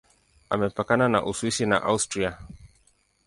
Imepakana na Uswisi na Austria.